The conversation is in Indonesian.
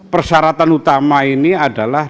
persyaratan utama ini adalah